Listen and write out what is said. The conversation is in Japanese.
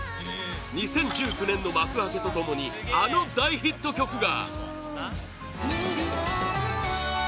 ２０１９年の幕開けと共にあの大ヒット曲が！